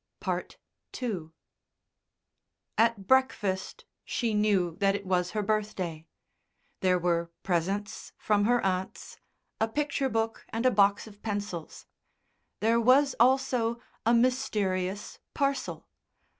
II At breakfast she knew that it was her birthday. There were presents from her aunts a picture book and a box of pencils there was also a mysterious parcel.